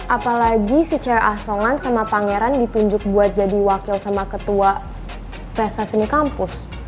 apalagi secara asongan sama pangeran ditunjuk buat jadi wakil sama ketua pesta seni kampus